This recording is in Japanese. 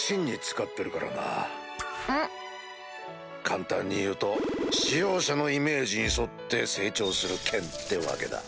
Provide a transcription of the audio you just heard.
簡単に言うと使用者のイメージに沿って成長する剣ってわけだ。